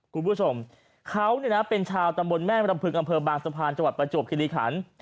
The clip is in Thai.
คุณผู้ชมเขาเป็นชาวตำบลแม่มรำพึงอำเภอบางสะพานจังหวัดประจวบคิริขัน